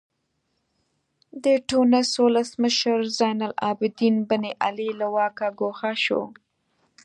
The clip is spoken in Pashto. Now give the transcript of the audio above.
د ټونس ولسمشر زین العابدین بن علي له واکه ګوښه شو.